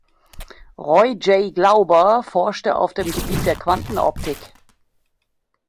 Roy Jay Glauber forschte auf dem Gebiet der Quantenoptik.